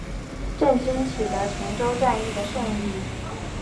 郑军取得泉州战役的胜利。